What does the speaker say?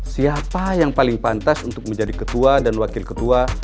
siapa yang paling pantas untuk menjadi ketua dan wakil ketua